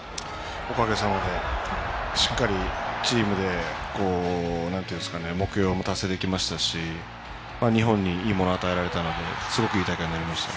おかげさまでしっかりチームで目標も達成できましたし日本にいいものを与えられたのですごくいい大会になりました。